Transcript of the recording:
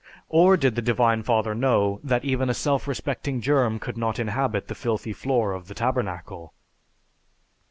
Or did the Divine Father know that even a self respecting germ could not inhabit the filthy floor of the Tabernacle?